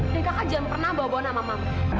dan kakak jangan pernah bawa bawa nama mam